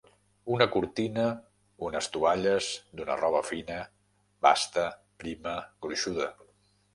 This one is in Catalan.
Una cortina, unes tovalles, d'una roba fina, basta, prima, gruixuda.